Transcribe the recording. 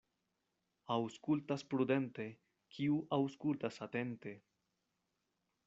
Aŭskultas prudente, kiu aŭskultas atente.